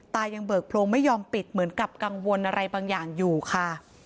ยังเบิกโลงไม่ยอมปิดเหมือนกับกังวลอะไรบางอย่างอยู่ค่ะ